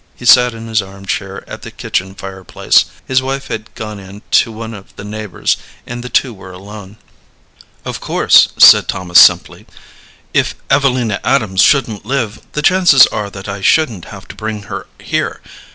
He sat in his arm chair at the kitchen fireplace; his wife had gone in to one of the neighbors, and the two were alone. "Of course," said Thomas, simply, "if Evelina Adams shouldn't live, the chances are that I shouldn't have to bring her here.